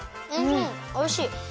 おいしい！